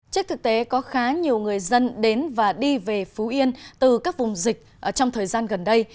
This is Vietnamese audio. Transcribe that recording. trước thực tế có khá nhiều người dân đến và đi về phú yên từ các vùng dịch trong thời gian gần đây